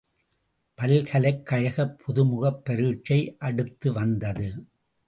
பல்கலைக் கழகப் புதுமுகப் பரீட்சை அடுத்து வந்தது.